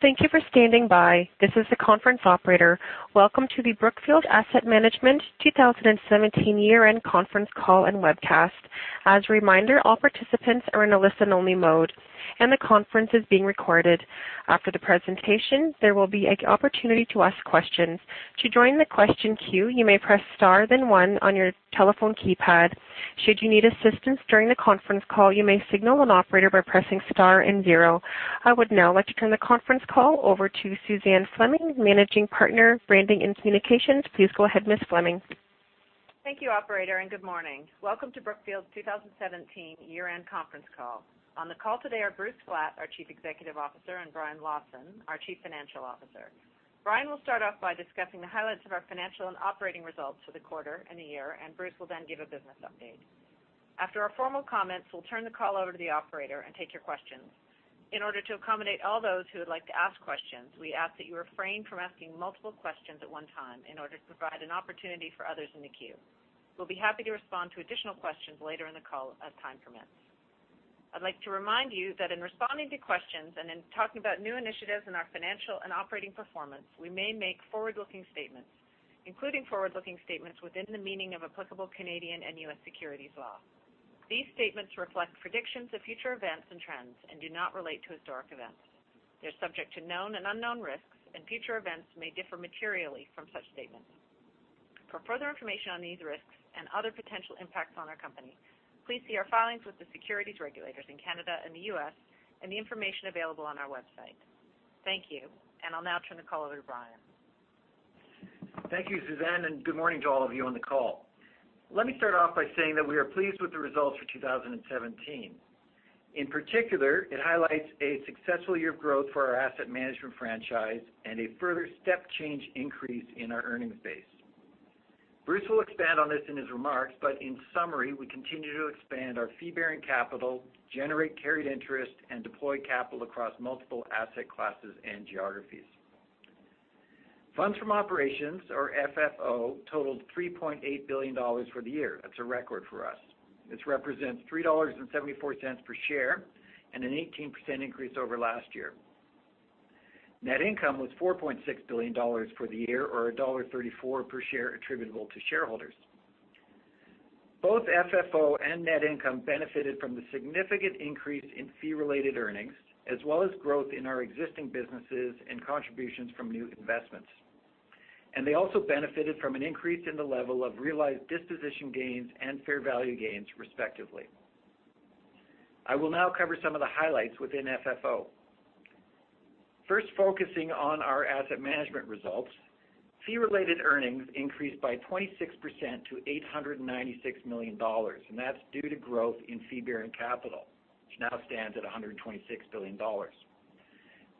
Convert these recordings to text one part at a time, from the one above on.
Thank you for standing by. This is the conference operator. Welcome to the Brookfield Asset Management 2017 year-end conference call and webcast. As a reminder, all participants are in a listen-only mode, and the conference is being recorded. After the presentation, there will be an opportunity to ask questions. To join the question queue, you may press star then one on your telephone keypad. Should you need assistance during the conference call, you may signal an operator by pressing star and zero. I would now like to turn the conference call over to Suzanne Fleming, Managing Partner, Branding and Communications. Please go ahead, Ms. Fleming. Thank you, operator, and good morning. Welcome to Brookfield's 2017 year-end conference call. On the call today are Bruce Flatt, our Chief Executive Officer, and Brian Lawson, our Chief Financial Officer. Brian will start off by discussing the highlights of our financial and operating results for the quarter and the year, and Bruce will then give a business update. After our formal comments, we'll turn the call over to the operator and take your questions. In order to accommodate all those who would like to ask questions, we ask that you refrain from asking multiple questions at one time in order to provide an opportunity for others in the queue. We'll be happy to respond to additional questions later in the call as time permits. I'd like to remind you that in responding to questions and in talking about new initiatives in our financial and operating performance, we may make forward-looking statements, including forward-looking statements within the meaning of applicable Canadian and U.S. securities law. These statements reflect predictions of future events and trends and do not relate to historic events. They're subject to known and unknown risks, and future events may differ materially from such statements. For further information on these risks and other potential impacts on our company, please see our filings with the securities regulators in Canada and the U.S. and the information available on our website. Thank you. I'll now turn the call over to Brian. Thank you, Suzanne, and good morning to all of you on the call. Let me start off by saying that we are pleased with the results for 2017. In particular, it highlights a successful year of growth for our asset management franchise and a further step change increase in our earnings base. Bruce will expand on this in his remarks, but in summary, we continue to expand our fee-bearing capital, generate carried interest, and deploy capital across multiple asset classes and geographies. Funds from operations or FFO totaled $3.8 billion for the year. That's a record for us. This represents $3.74 per share and an 18% increase over last year. Net income was $4.6 billion for the year or $1.34 per share attributable to shareholders. Both FFO and net income benefited from the significant increase in fee-related earnings, as well as growth in our existing businesses and contributions from new investments. They also benefited from an increase in the level of realized disposition gains and fair value gains, respectively. I will now cover some of the highlights within FFO. First, focusing on our asset management results. Fee-related earnings increased by 26% to $896 million, and that's due to growth in fee-bearing capital, which now stands at $126 billion.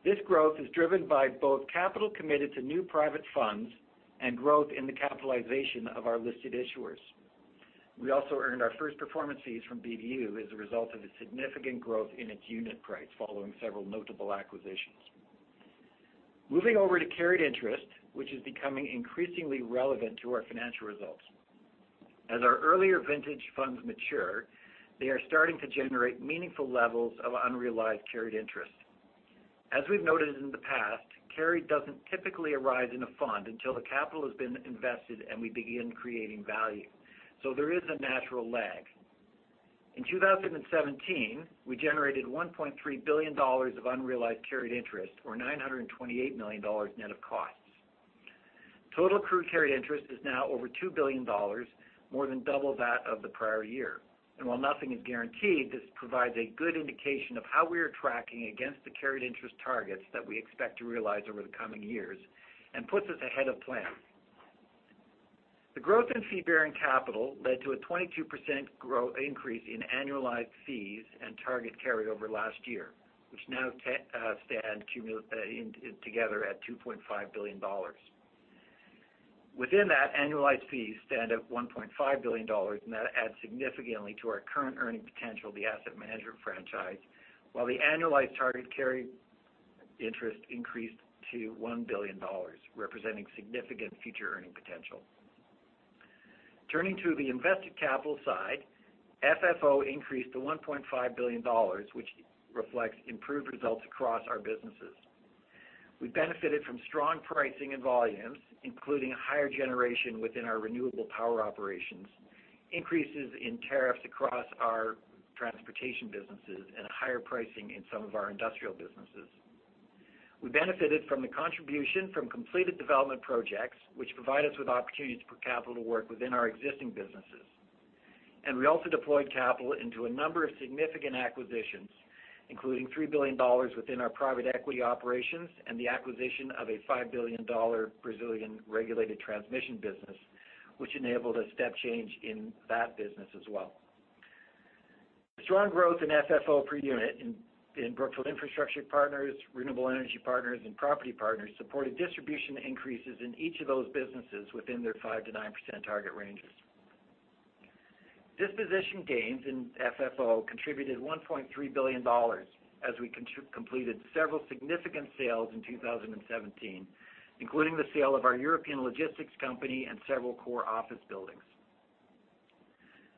This growth is driven by both capital committed to new private funds and growth in the capitalization of our listed issuers. We also earned our first performance fees from BBU as a result of the significant growth in its unit price following several notable acquisitions. Moving over to carried interest, which is becoming increasingly relevant to our financial results. As our earlier vintage funds mature, they are starting to generate meaningful levels of unrealized carried interest. As we've noted in the past, carry doesn't typically arise in a fund until the capital has been invested, and we begin creating value. There is a natural lag. In 2017, we generated $1.3 billion of unrealized carried interest or $928 million net of costs. Total accrued carried interest is now over $2 billion, more than double that of the prior year. While nothing is guaranteed, this provides a good indication of how we are tracking against the carried interest targets that we expect to realize over the coming years and puts us ahead of plan. The growth in fee-bearing capital led to a 22% increase in annualized fees and target carryover last year, which now stand together at $2.5 billion. Within that, annualized fees stand at $1.5 billion, and that adds significantly to our current earning potential of the asset management franchise. While the annualized targeted carried interest increased to $1 billion, representing significant future earning potential. Turning to the invested capital side, FFO increased to $1.5 billion which reflects improved results across our businesses. We benefited from strong pricing and volumes, including a higher generation within our renewable power operations, increases in tariffs across our transportation businesses, and higher pricing in some of our industrial businesses. We benefited from the contribution from completed development projects, which provide us with opportunities for capital work within our existing businesses. We also deployed capital into a number of significant acquisitions, including $3 billion within our private equity operations and the acquisition of a $5 billion Brazilian regulated transmission business, which enabled a step change in that business as well. Strong growth in FFO per unit in Brookfield Infrastructure Partners, Brookfield Renewable Partners, and Brookfield Property Partners supported distribution increases in each of those businesses within their 5%-9% target ranges. Disposition gains in FFO contributed $1.3 billion as we completed several significant sales in 2017, including the sale of our European logistics company and several core office buildings.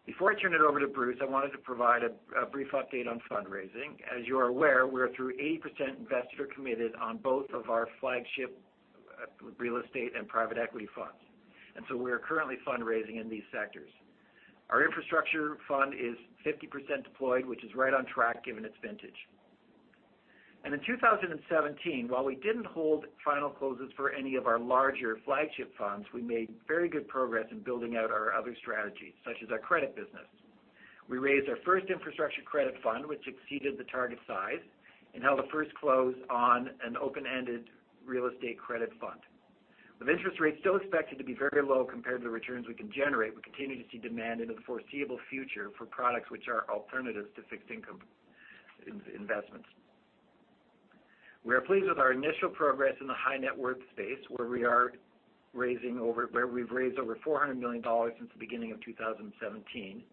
Before I turn it over to Bruce, I wanted to provide a brief update on fundraising. As you are aware, we are through 80% investor committed on both of our flagship real estate and private equity funds. We are currently fundraising in these sectors. Our infrastructure fund is 50% deployed, which is right on track given its vintage. In 2017, while we didn't hold final closes for any of our larger flagship funds, we made very good progress in building out our other strategies, such as our credit business. We raised our first infrastructure credit fund, which exceeded the target size, and held a first close on an open-ended real estate credit fund. With interest rates still expected to be very low compared to the returns we can generate, we continue to see demand into the foreseeable future for products which are alternatives to fixed income investments. We are pleased with our initial progress in the high net worth space, where we've raised over $400 million since the beginning of 2017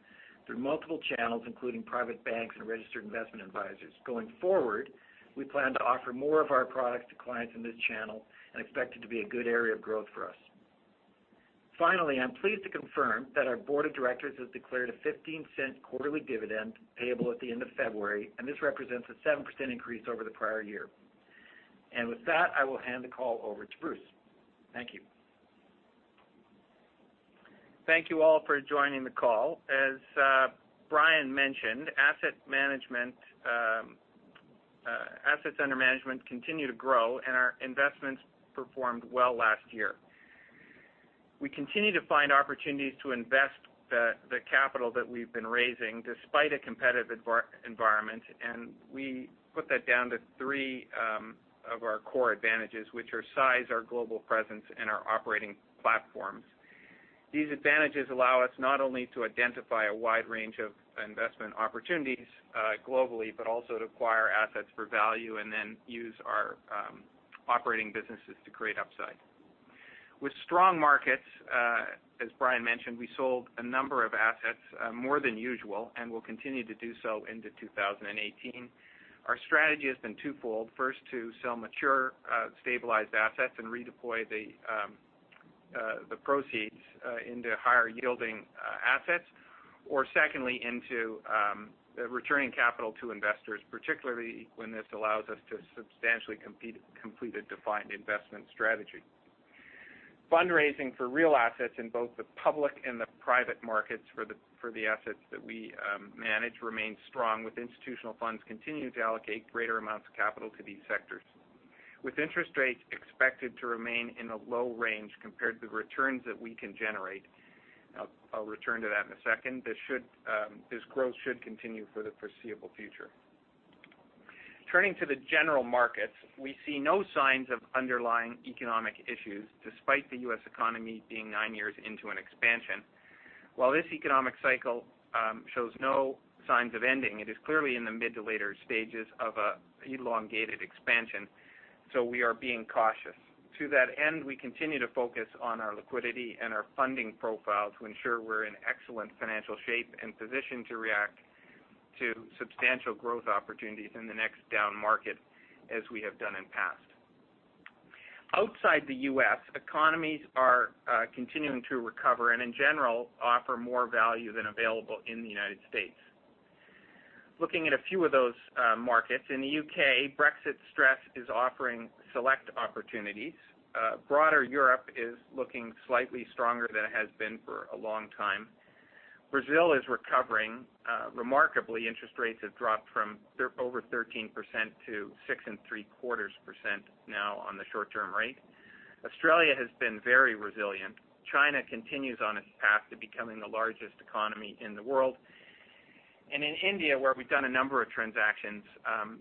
through multiple channels, including private banks and registered investment advisors. Going forward, we plan to offer more of our products to clients in this channel and expect it to be a good area of growth for us. Finally, I'm pleased to confirm that our board of directors has declared a $0.15 quarterly dividend payable at the end of February, and this represents a 7% increase over the prior year. With that, I will hand the call over to Bruce. Thank you. Thank you all for joining the call. As Brian mentioned, assets under management continue to grow, and our investments performed well last year. We continue to find opportunities to invest the capital that we've been raising despite a competitive environment. We put that down to three of our core advantages, which are size, our global presence, and our operating platforms. These advantages allow us not only to identify a wide range of investment opportunities globally, but also to acquire assets for value and then use our operating businesses to create upside. With strong markets, as Brian mentioned, we sold a number of assets, more than usual, and will continue to do so into 2018. Our strategy has been twofold. First, to sell mature, stabilized assets and redeploy the proceeds into higher-yielding assets, or secondly, into returning capital to investors, particularly when this allows us to substantially complete a defined investment strategy. Fundraising for real assets in both the public and the private markets for the assets that we manage remains strong, with institutional funds continuing to allocate greater amounts of capital to these sectors. With interest rates expected to remain in a low range compared to the returns that we can generate, I'll return to that in a second. This growth should continue for the foreseeable future. Turning to the general markets, we see no signs of underlying economic issues, despite the U.S. economy being nine years into an expansion. While this economic cycle shows no signs of ending, it is clearly in the mid to later stages of an elongated expansion. We are being cautious. To that end, we continue to focus on our liquidity and our funding profile to ensure we're in excellent financial shape and position to react to substantial growth opportunities in the next down market, as we have done in past. Outside the U.S., economies are continuing to recover and, in general, offer more value than available in the United States. Looking at a few of those markets. In the U.K., Brexit stress is offering select opportunities. Broader Europe is looking slightly stronger than it has been for a long time. Brazil is recovering. Remarkably, interest rates have dropped from over 13% to 6.75% now on the short-term rate. Australia has been very resilient. China continues on its path to becoming the largest economy in the world. In India, where we've done a number of transactions,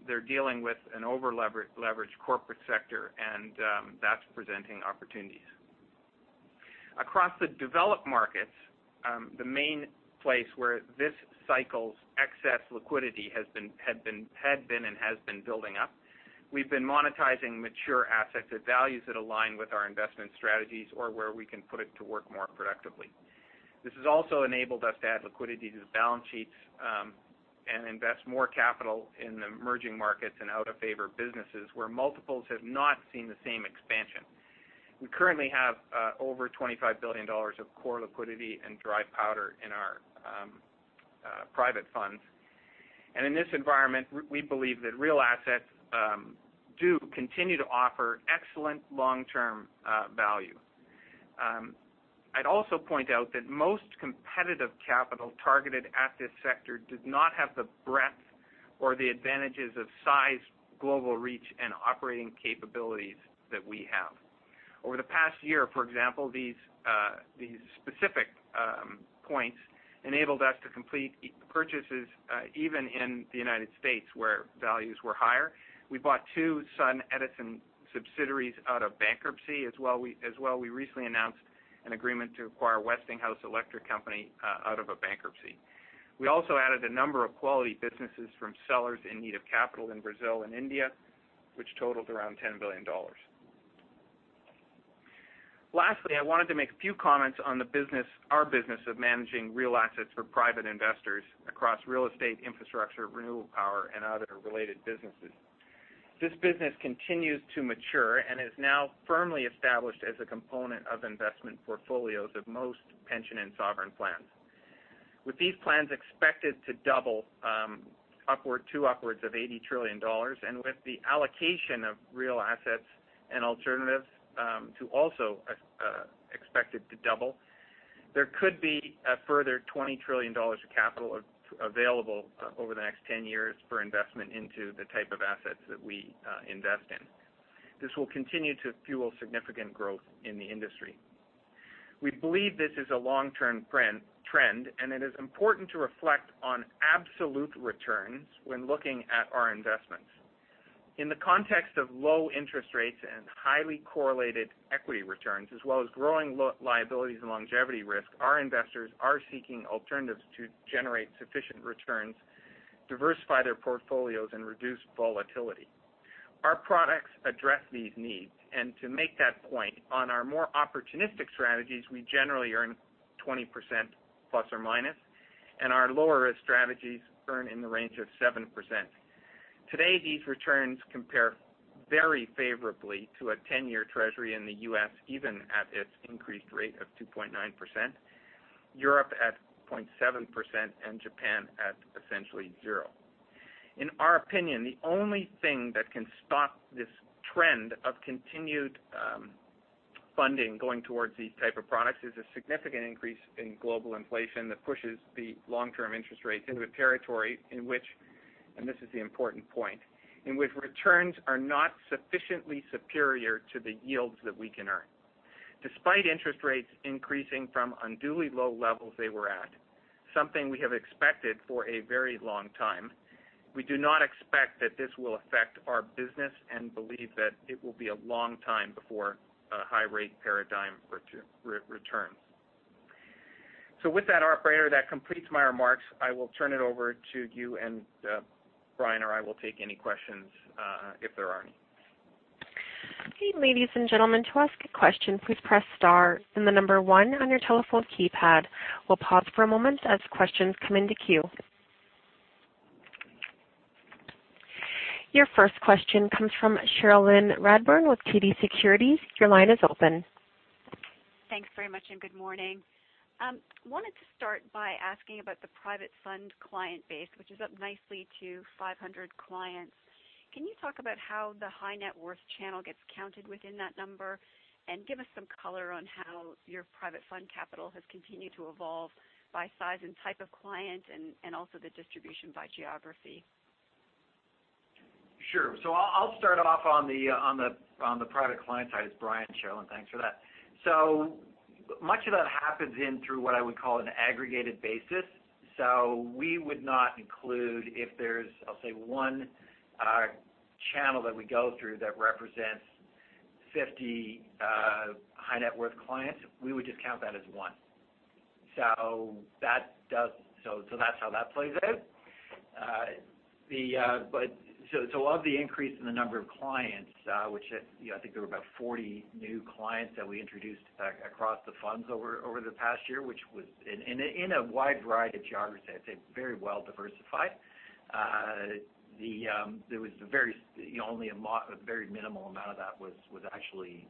they're dealing with an over-leveraged corporate sector, and that's presenting opportunities. Across the developed markets, the main place where this cycle's excess liquidity had been and has been building up. We've been monetizing mature assets at values that align with our investment strategies or where we can put it to work more productively. This has also enabled us to add liquidity to the balance sheets and invest more capital in the emerging markets and out-of-favor businesses where multiples have not seen the same expansion. We currently have over $25 billion of core liquidity and dry powder in our private funds. In this environment, we believe that real assets do continue to offer excellent long-term value. I'd also point out that most competitive capital targeted at this sector does not have the breadth or the advantages of size, global reach, and operating capabilities that we have. Over the past year, for example, these specific points enabled us to complete purchases even in the United States, where values were higher. We bought two SunEdison subsidiaries out of bankruptcy. As well, we recently announced an agreement to acquire Westinghouse Electric Company out of a bankruptcy. We also added a number of quality businesses from sellers in need of capital in Brazil and India, which totaled around $10 billion. Lastly, I wanted to make a few comments on our business of managing real assets for private investors across real estate, infrastructure, renewable power, and other related businesses. This business continues to mature and is now firmly established as a component of investment portfolios of most pension and sovereign plans. With these plans expected to double to upwards of $80 trillion, with the allocation of real assets and alternatives also expected to double, there could be a further $20 trillion of capital available over the next 10 years for investment into the type of assets that we invest in. This will continue to fuel significant growth in the industry. We believe this is a long-term trend, it is important to reflect on absolute returns when looking at our investments. In the context of low interest rates and highly correlated equity returns, as well as growing liabilities and longevity risk, our investors are seeking alternatives to generate sufficient returns, diversify their portfolios, and reduce volatility. Our products address these needs, to make that point, on our more opportunistic strategies, we generally earn 20% ±, and our lower risk strategies earn in the range of 7%. Today, these returns compare very favorably to a 10-year treasury in the U.S., even at its increased rate of 2.9%, Europe at 0.7%, and Japan at essentially zero. In our opinion, the only thing that can stop this trend of continued funding going towards these type of products is a significant increase in global inflation that pushes the long-term interest rates into a territory in which, and this is the important point, returns are not sufficiently superior to the yields that we can earn. Despite interest rates increasing from unduly low levels they were at, something we have expected for a very long time, we do not expect that this will affect our business and believe that it will be a long time before a high rate paradigm returns. With that, operator, that completes my remarks. I will turn it over to you, Brian or I will take any questions if there are any. Hey, ladies and gentlemen, to ask a question, please press star, then the number 1 on your telephone keypad. We'll pause for a moment as questions come into queue. Your first question comes from Cherilyn Radbourne with TD Securities. Your line is open. Thanks very much, good morning. Wanted to start by asking about the private fund client base, which is up nicely to 500 clients. Can you talk about how the high net worth channel gets counted within that number, and give us some color on how your private fund capital has continued to evolve by size and type of client and also the distribution by geography? Sure. I'll start off on the private client side. It's Brian, Cherilyn. Thanks for that. Much of that happens in through what I would call an aggregated basis. We would not include if there's, I'll say, one channel that we go through that represents 50 high net worth clients. We would just count that as one. That's how that plays out. A lot of the increase in the number of clients, which I think there were about 40 new clients that we introduced across the funds over the past year, and in a wide variety of geographies. I'd say very well diversified. Only a very minimal amount of that was actually,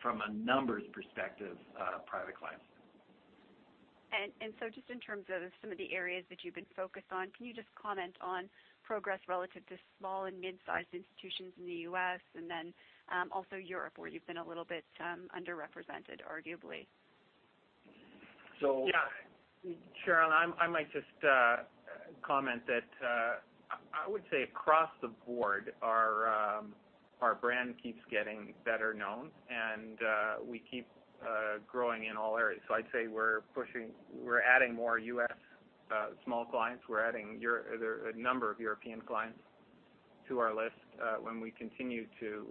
from a numbers perspective, private clients. Just in terms of some of the areas that you've been focused on, can you just comment on progress relative to small and mid-sized institutions in the U.S. and also Europe, where you've been a little bit underrepresented, arguably? So- Yeah. Cherilyn, I might just comment that I would say across the board, our brand keeps getting better known, and we keep growing in all areas. I'd say we're adding more U.S. small clients. We're adding a number of European clients to our list when we continue to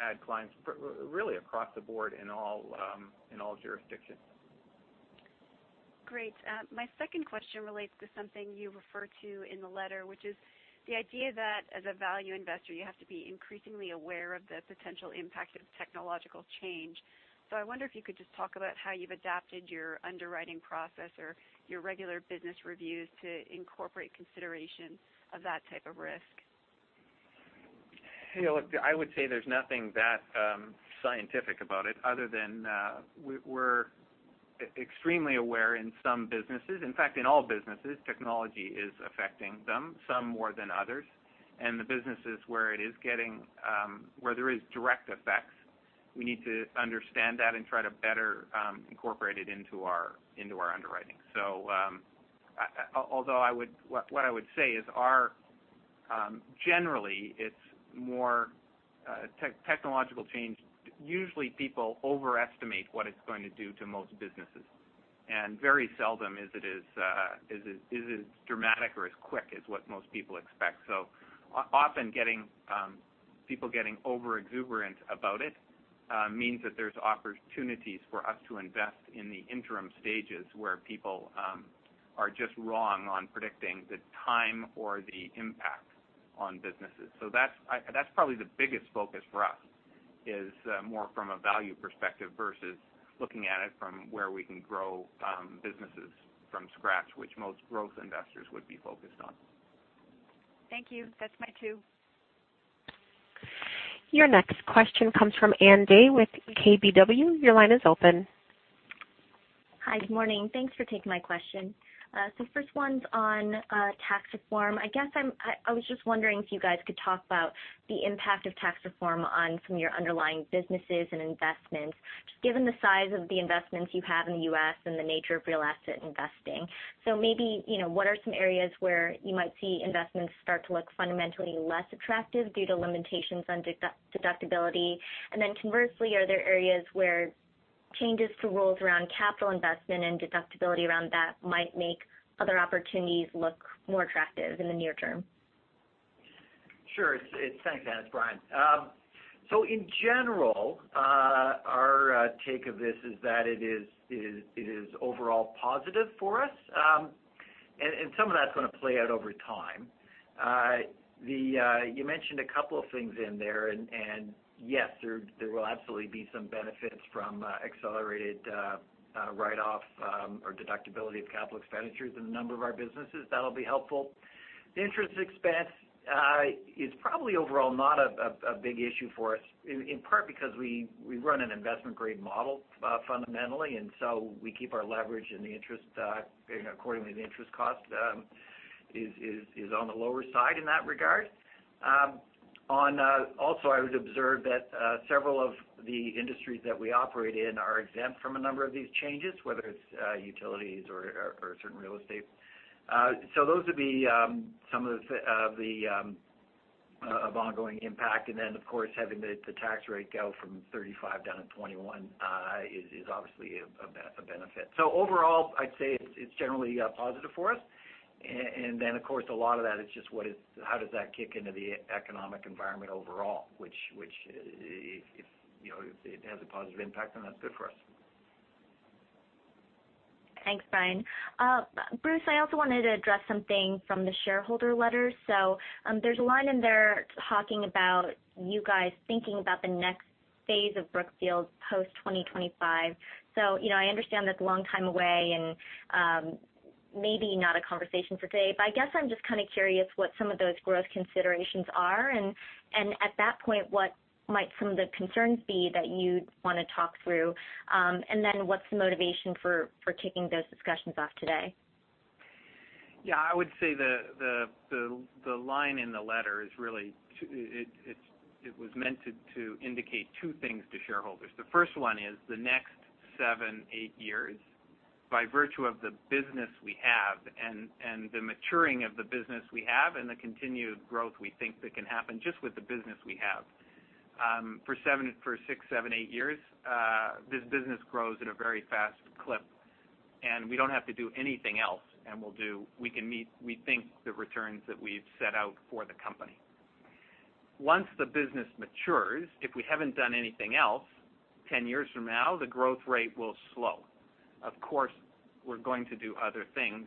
add clients really across the board in all jurisdictions. Great. My second question relates to something you refer to in the letter, which is the idea that as a value investor, you have to be increasingly aware of the potential impact of technological change. I wonder if you could just talk about how you've adapted your underwriting process or your regular business reviews to incorporate consideration of that type of risk. Look, I would say there's nothing that scientific about it other than we're extremely aware in some businesses. In fact, in all businesses, technology is affecting them, some more than others. The businesses where there is direct effects, we need to understand that and try to better incorporate it into our underwriting. Although what I would say is, generally, technological change, usually people overestimate what it's going to do to most businesses, and very seldom is it as dramatic or as quick as what most people expect. Often people getting over-exuberant about it means that there's opportunities for us to invest in the interim stages where people are just wrong on predicting the time or the impact on businesses. That's probably the biggest focus for us. is more from a value perspective versus looking at it from where we can grow businesses from scratch, which most growth investors would be focused on. Thank you. That's my cue. Your next question comes from Ann Dai with KBW. Your line is open. Hi. Good morning. Thanks for taking my question. The first one's on tax reform. I was just wondering if you guys could talk about the impact of tax reform on some of your underlying businesses and investments, just given the size of the investments you have in the U.S. and the nature of real asset investing. What are some areas where you might see investments start to look fundamentally less attractive due to limitations on deductibility? Conversely, are there areas where changes to rules around capital investment and deductibility around that might make other opportunities look more attractive in the near term? Sure. Thanks, Ann. It's Brian. In general, our take of this is that it is overall positive for us. Some of that's going to play out over time. You mentioned a couple of things in there, yes, there will absolutely be some benefits from accelerated write-off or deductibility of capital expenditures in a number of our businesses. That'll be helpful. The interest expense is probably overall not a big issue for us, in part because we run an investment-grade model fundamentally, we keep our leverage and accordingly, the interest cost is on the lower side in that regard. Also, I would observe that several of the industries that we operate in are exempt from a number of these changes, whether it's utilities or certain real estate. Those would be some of ongoing impact. Of course, having the tax rate go from 35 down to 21 is obviously a benefit. Overall, I'd say it's generally a positive for us. Of course, a lot of that is just how does that kick into the economic environment overall, which if it has a positive impact, then that's good for us. Thanks, Brian. Bruce, I also wanted to address something from the shareholder letter. There's a line in there talking about you guys thinking about the next phase of Brookfield post 2025. I understand that's a long time away and maybe not a conversation for today, but I'm just curious what some of those growth considerations are. At that point, what might some of the concerns be that you'd want to talk through? What's the motivation for kicking those discussions off today? Yeah. I would say the line in the letter it was meant to indicate two things to shareholders. The first one is the next seven, eight years, by virtue of the business we have and the maturing of the business we have and the continued growth we think that can happen just with the business we have. For six, seven, eight years, this business grows at a very fast clip, and we don't have to do anything else, and we think the returns that we've set out for the company. Once the business matures, if we haven't done anything else, 10 years from now, the growth rate will slow. Of course, we're going to do other things.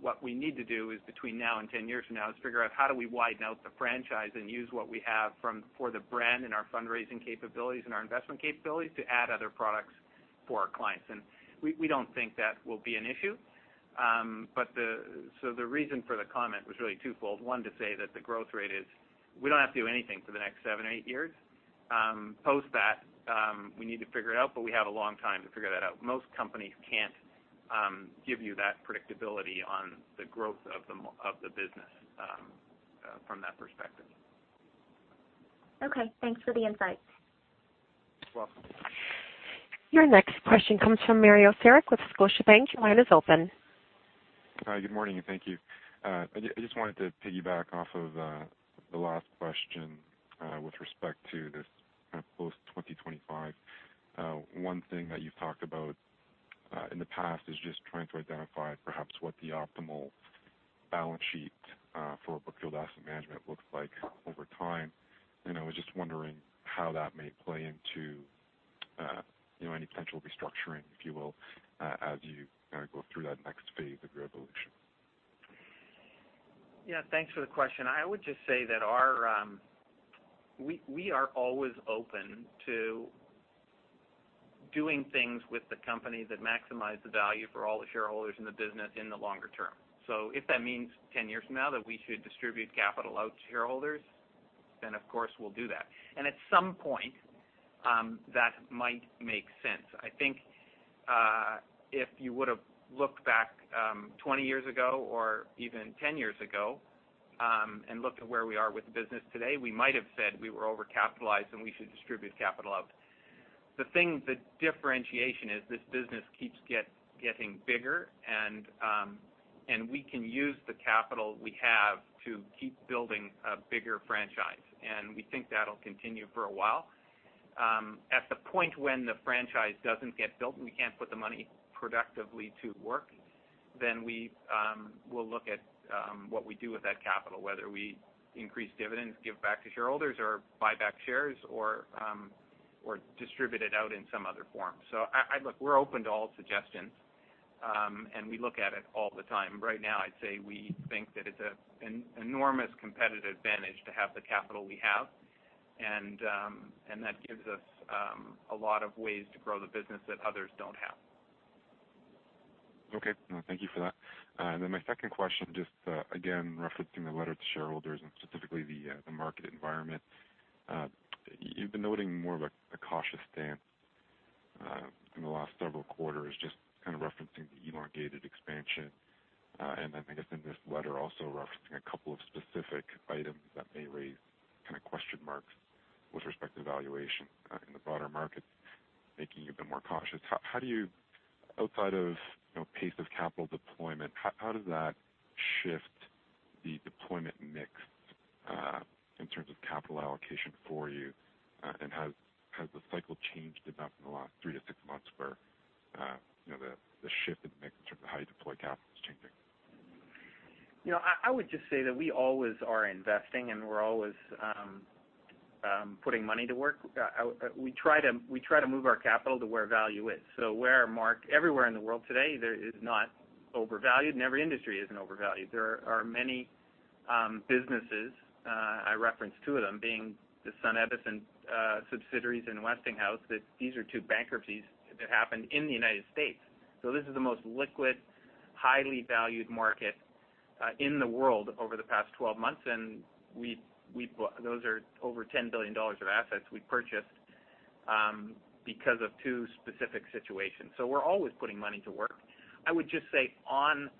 What we need to do is between now and 10 years from now is figure out how do we widen out the franchise and use what we have for the brand and our fundraising capabilities and our investment capabilities to add other products for our clients. We don't think that will be an issue. The reason for the comment was really twofold. One, to say that the growth rate is we don't have to do anything for the next seven or eight years. Post that, we need to figure it out, but we have a long time to figure that out. Most companies can't give you that predictability on the growth of the business from that perspective. Okay. Thanks for the insights. You're welcome. Your next question comes from Mario Saric with Scotiabank. Your line is open. Hi. Good morning, and thank you. I just wanted to piggyback off of the last question with respect to this post 2025. One thing that you've talked about in the past is just trying to identify perhaps what the optimal balance sheet for Brookfield Asset Management looks like over time. I was just wondering how that may play into any potential restructuring, if you will, as you go through that next phase of your evolution. Yeah, thanks for the question. I would just say that we are always open to doing things with the company that maximize the value for all the shareholders in the business in the longer term. If that means 10 years from now that we should distribute capital out to shareholders, then of course we'll do that. At some point, that might make sense. I think if you would've looked back 20 years ago or even 10 years ago and looked at where we are with the business today, we might've said we were overcapitalized and we should distribute capital out. The differentiation is this business keeps getting bigger, and we can use the capital we have to keep building a bigger franchise. We think that'll continue for a while. At the point when the franchise doesn't get built and we can't put the money productively to work, we'll look at what we do with that capital, whether we increase dividends, give back to shareholders, or buy back shares, or distribute it out in some other form. Look, we're open to all suggestions We look at it all the time. Right now, I'd say we think that it's an enormous competitive advantage to have the capital we have, and that gives us a lot of ways to grow the business that others don't have. Okay. No, thank you for that. My second question, just again, referencing the letter to shareholders and specifically the market environment. You've been noting more of a cautious stance in the last several quarters, just kind of referencing the elongated expansion. In this letter, also referencing a couple of specific items that may raise kind of question marks with respect to valuation in the broader market, making you a bit more cautious. Outside of pace of capital deployment, how does that shift the deployment mix, in terms of capital allocation for you? Has the cycle changed enough in the last three to six months where the shift in mix in terms of how you deploy capital is changing? I would just say that we always are investing, and we're always putting money to work. We try to move our capital to where value is. Everywhere in the world today is not overvalued, and every industry isn't overvalued. There are many businesses, I referenced two of them being the SunEdison subsidiaries in Westinghouse, that these are two bankruptcies that happened in the United States. This is the most liquid, highly valued market, in the world over the past 12 months. Those are over $10 billion of assets we purchased because of two specific situations. We're always putting money to work. I would just say on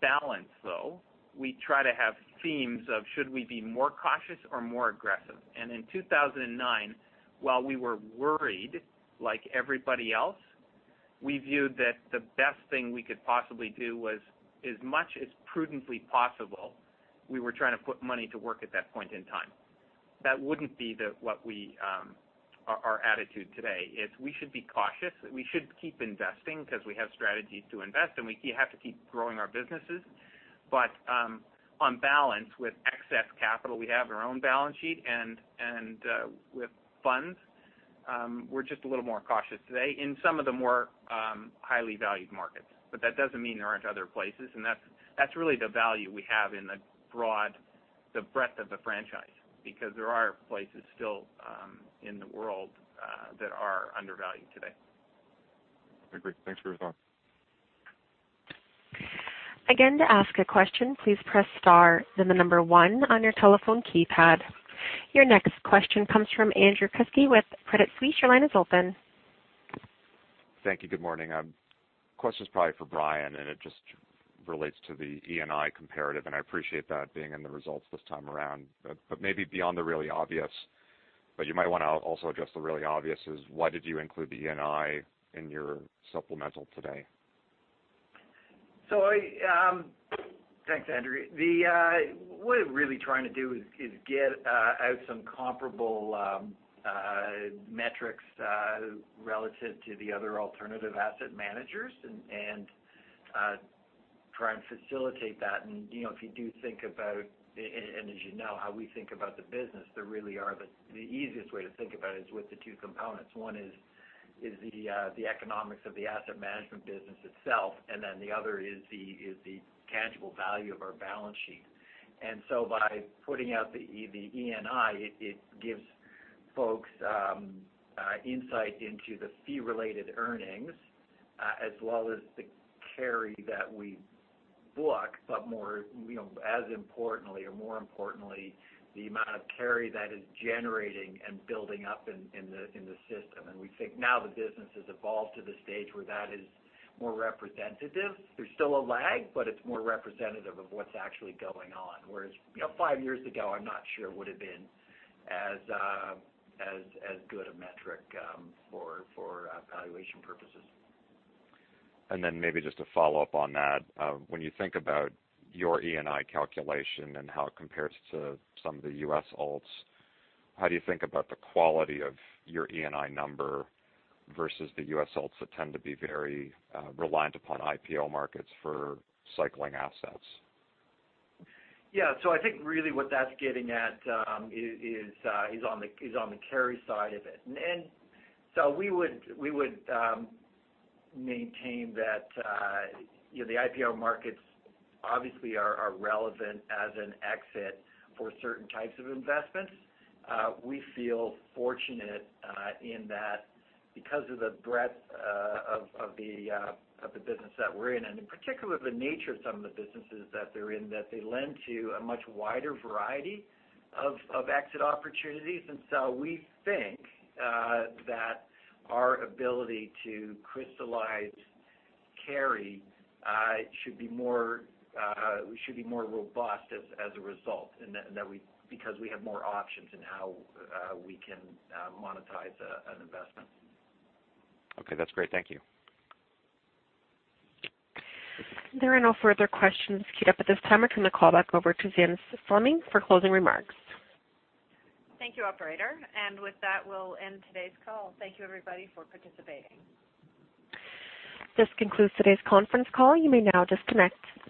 balance, though, we try to have themes of should we be more cautious or more aggressive. In 2009, while we were worried like everybody else, we viewed that the best thing we could possibly do was, as much as prudently possible, we were trying to put money to work at that point in time. That wouldn't be our attitude today. It's we should be cautious. We should keep investing because we have strategies to invest, and we have to keep growing our businesses. On balance with excess capital we have in our own balance sheet and with funds, we're just a little more cautious today in some of the more highly valued markets. That doesn't mean there aren't other places, and that's really the value we have in the breadth of the franchise because there are places still in the world that are undervalued today. Agree. Thanks for your thoughts. To ask a question, please press star then the number 1 on your telephone keypad. Your next question comes from Andrew Kuske with Credit Suisse. Your line is open. Thank you. Good morning. Question's probably for Brian, it just relates to the ENI comparative, I appreciate that being in the results this time around. Maybe beyond the really obvious, you might want to also address the really obvious is why did you include the ENI in your supplemental today? Thanks, Andrew. What we're really trying to do is get out some comparable metrics relative to the other alternative asset managers and try and facilitate that. If you do think about it, as you know how we think about the business, the easiest way to think about it is with the two components. One is the economics of the asset management business itself, then the other is the tangible value of our balance sheet. So by putting out the ENI, it gives folks insight into the fee-related earnings, as well as the carry that we book, as importantly or more importantly, the amount of carry that is generating and building up in the system. We think now the business has evolved to the stage where that is more representative. There's still a lag, it's more representative of what's actually going on. Whereas five years ago, I'm not sure it would've been as good a metric for valuation purposes. Maybe just to follow up on that. When you think about your ENI calculation and how it compares to some of the U.S. alts, how do you think about the quality of your ENI number versus the U.S. alts that tend to be very reliant upon IPO markets for cycling assets? I think really what that's getting at is on the carry side of it. We would maintain that the IPO markets obviously are relevant as an exit for certain types of investments. We feel fortunate in that because of the breadth of the business that we're in and in particular the nature of some of the businesses that they're in, that they lend to a much wider variety of exit opportunities. We think that our ability to crystallize carry should be more robust as a result, and because we have more options in how we can monetize an investment. That's great. Thank you. There are no further questions queued up at this time. I turn the call back over to Suzanne Fleming for closing remarks. Thank you, operator. With that, we'll end today's call. Thank you everybody for participating. This concludes today's conference call. You may now disconnect.